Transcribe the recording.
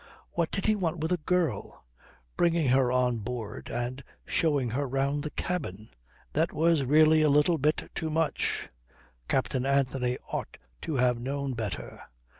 What did he want with a girl? Bringing her on board and showing her round the cabin! That was really a little bit too much. Captain Anthony ought to have known better.